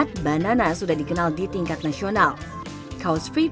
terus yaudah yang pertama kita lakukan cari nama